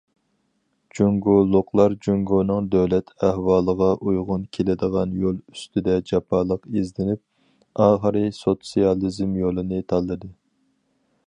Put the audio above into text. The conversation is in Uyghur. جۇڭگولۇقلار جۇڭگونىڭ دۆلەت ئەھۋالىغا ئۇيغۇن كېلىدىغان يول ئۈستىدە جاپالىق ئىزدىنىپ، ئاخىرى سوتسىيالىزم يولىنى تاللىدى.